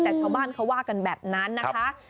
แต่ชาวบ้านเขาว่ากันแบบนั้นนะคะ